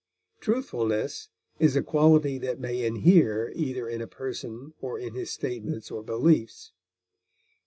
Truthfulness is a quality that may inhere either in a person or in his statements or beliefs.